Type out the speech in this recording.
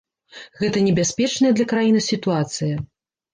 Гэта небяспечная для краіны сітуацыя.